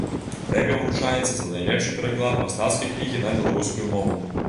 Прэмія ўручаецца за найлепшы пераклад мастацкай кнігі на беларускую мову.